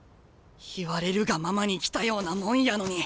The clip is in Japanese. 言われるがままに来たようなもんやのに。